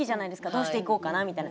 どうしていこうかな、みたいな。